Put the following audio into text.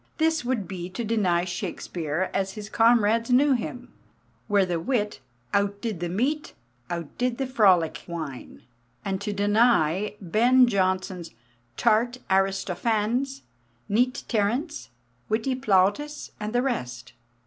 This would be to deny Shakespeare as his comrades knew him, where the wit "out did the meat, out did the frolic wine," and to deny Ben Jonson's "tart Aristophanes, neat Terence, witty Plautus," and the rest.